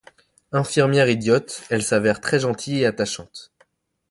Infirmière idiote, elle s'avère très gentille et attachante.